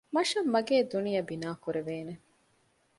މަށަށް މަގޭ ދުނިޔެ ބިނާ ކުރެވޭނެ